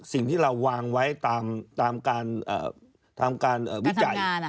สิ่งที่เราวางไว้ตามการวิจัย